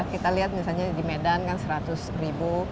kita lihat misalnya di medan kan seratus ribu